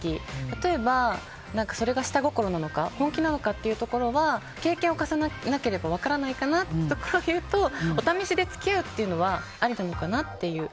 例えば、それが下心なのか本気なのかというところは経験を重ねなければ分からないかなっていうところで言うとお試しで付き合うのはありなのかなっていう。